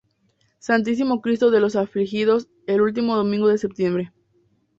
Santísimo Cristo de los Afligidos, el último domingo de septiembre.